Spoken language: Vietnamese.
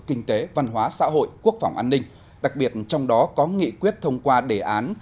kinh tế văn hóa xã hội quốc phòng an ninh đặc biệt trong đó có nghị quyết thông qua đề án